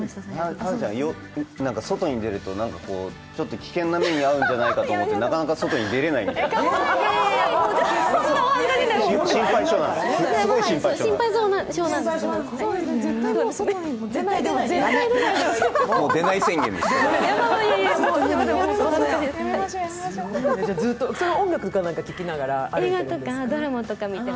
花ちゃん、外に出ると、ちょっと危険な目に遭うんじゃないかと思って、なかなか外に出られないみたい。